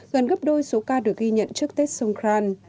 gần gấp đôi số ca được ghi nhận trước tết songkran